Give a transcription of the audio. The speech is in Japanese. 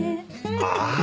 ああ！